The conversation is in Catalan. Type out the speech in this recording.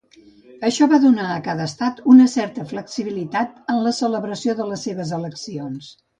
Això va donar a cada estat una certa flexibilitat en la celebració de les seves eleccions.